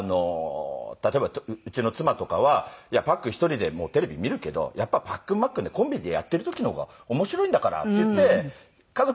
例えばうちの妻とかは「いやパックン一人でテレビ見るけどやっぱりパックンマックンでコンビでやっている時の方が面白いんだから」っていって家族が言ってくれるので。